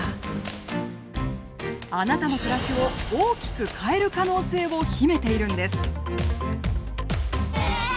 あなたの暮らしを大きく変える可能性を秘めているんです！